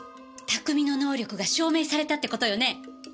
拓海の能力が証明されたって事よね！？